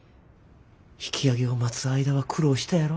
引き揚げを待つ間は苦労したやろ。